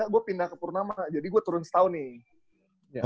gue pindah ke purnama jadi gue turun setahun nih